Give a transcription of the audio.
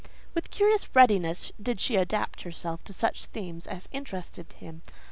With curious readiness did she adapt herself to such themes as interested him.